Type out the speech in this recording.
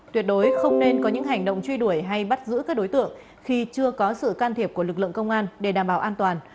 tuyệt đối không nên có những hành động truy đuổi hay bắt giữ các đối tượng khi chưa có sự can thiệp của lực lượng công an để đảm bảo an toàn